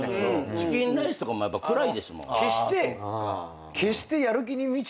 『チキンライス』とかも暗いですもん。